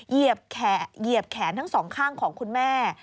เหยียบแขนทั้งสองข้างของคุณแม่